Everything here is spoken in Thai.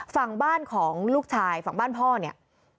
ฝั่งบ้านของลูกชายฝั่งบ้านพ่อเนี่ย